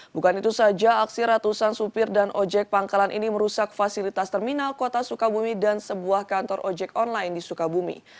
bukan itu saja aksi ratusan supir dan ojek pangkalan ini merusak fasilitas terminal kota sukabumi dan sebuah kantor ojek online di sukabumi